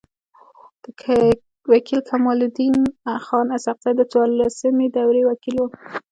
و کيل کمال الدین خان اسحق زی د څوارلسمي دوری وکيل وو.